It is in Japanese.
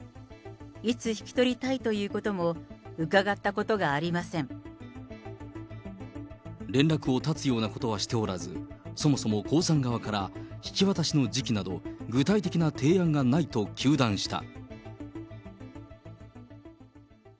いつ引き取りたいということも、連絡を絶つようなことはしておらず、そもそも江さん側から引き渡しの時期など具体的な提案がないと糾弾した。